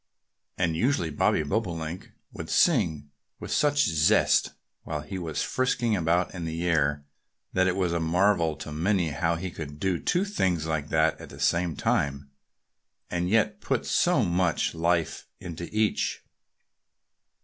And usually Bobby Bobolink would sing with such zest while he was frisking about in the air that it was a marvel to many how he could do two things like that, at the same time, and yet put so much life into each.